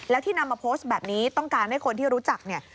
แล้วที่นำมาโพสต์แบบนี้ต้องการให้คนที่รู้จักเนี่ย